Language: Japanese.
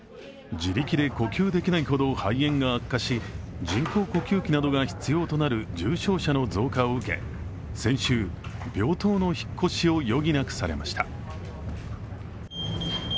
自力で呼吸できないほど肺炎が悪化し、人工呼吸器などが必要となる重症者の増加を受け、先週、病棟の引っ越しを余儀なくされました。